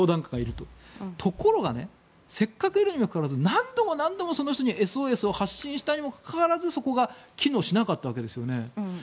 ところがせっかくいるにもかかわらず何度も何度もその人にＳＯＳを発信したにもかかわらずそこが機能しなかったわけですよね。